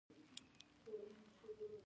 ځینې محصلین د خپلې زده کړې کچه معلوموي.